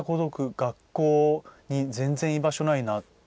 学校に全然、居場所ないなって。